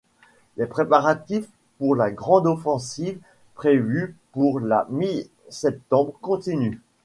Les préparatifs pour la grande offensive prévue pour la mi-septembre continuent.